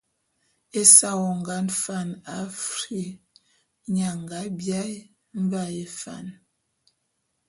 Ésa wongan Fan Afr, nye a nga biaé Mvaé Fan.